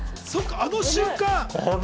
あの瞬間。